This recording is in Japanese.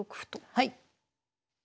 はい。